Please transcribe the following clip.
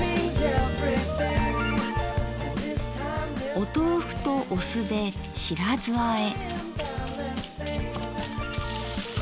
お豆腐とお酢で「白酢あえ」。